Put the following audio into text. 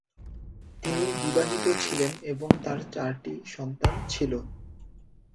তিনি বিবাহিত ছিলেন এবং তাঁর চারটি সন্তান ছিল।